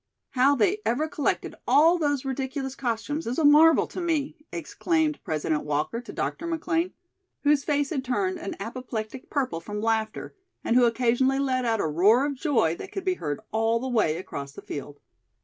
"How they ever collected all those ridiculous costumes is a marvel to me," exclaimed President Walker to Dr. McLean, whose face had turned an apoplectic purple from laughter and who occasionally let out a roar of joy that could be heard all the way across the field.